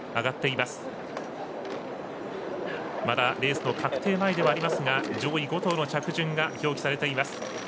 まだレースの確定前ではありますが上位５頭の着順が表記されています。